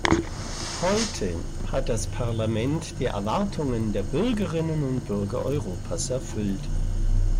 Heute hat das Parlament die Erwartungen der Bürgerinnen und Bürger Europas erfüllt.